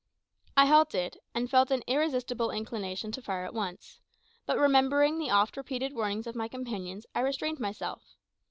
I halted, and felt an irresistible inclination to fire at once; but remembering the oft repeated warnings of my companions, I restrained myself.